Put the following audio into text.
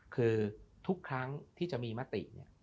คือทุกครั้งที่จะมีมติเนี่ย